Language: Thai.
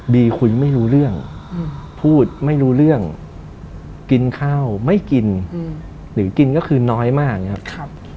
คุยไม่รู้เรื่องพูดไม่รู้เรื่องกินข้าวไม่กินหรือกินก็คือน้อยมากนะครับ